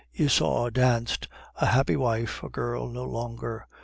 Isaure danced, a happy wife, a girl no longer.